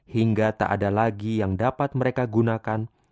hingga tak ada lagi yang dapat mereka gunakan